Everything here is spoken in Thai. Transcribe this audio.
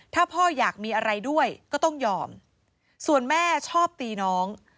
ถ้าพ่ออยากมีอะไรด้วยก็ต้องยอมส่วนแม่ชอบตีน้อง